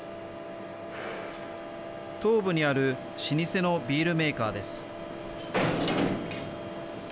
東部にある老舗のビールメーカーです。